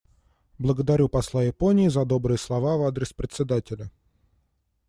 Благодарю посла Японии за добрые слова в адрес Председателя.